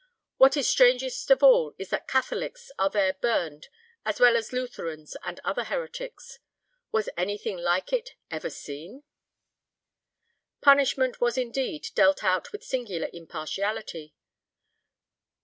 What is strangest of all is that Catholics are there burnt as well as Lutherans and other heretics. Was anything like it ever seen?" Punishment was indeed dealt out with singular impartiality.